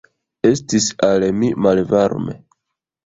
Estis al mi malvarme.